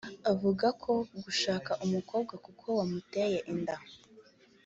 avuga ko gushaka umukobwa kuko wamuteye inda